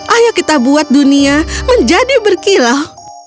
ayo kita buat dunia menjadi berkilau